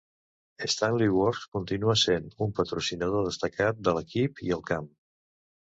Stanley Works continua sent un patrocinador destacat de l'equip i el camp.